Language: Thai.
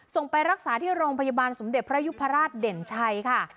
ไปรักษาที่โรงพยาบาลสมเด็จพระยุพราชเด่นชัยค่ะ